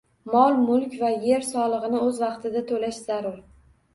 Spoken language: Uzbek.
Mol-mulk va yer solig‘ini o‘z vaqtida to‘lash zarur